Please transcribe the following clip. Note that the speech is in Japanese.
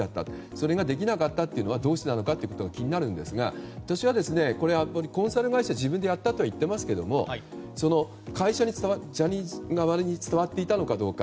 それができなかったというのはどうしてなのか気になりますが私は、コンサル会社が自分でやったと言ってますけどもジャニーズ側に伝わっていたのかどうか。